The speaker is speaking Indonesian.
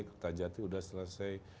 ketajati udah selesai